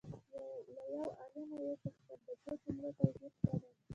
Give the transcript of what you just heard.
له یو عالمه یې وپوښتل د دوو جملو توپیر څه دی؟